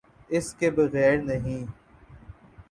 اس کے بغیر نہیں۔